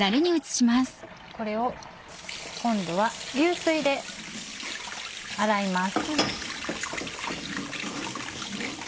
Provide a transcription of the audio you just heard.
これを今度は流水で洗います。